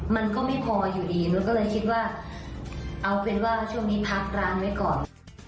มันก็ไม่พออยู่ดีมันก็เลยคิดว่าเอาเป็นว่าช่วงนี้พักร้านไว้ก่อน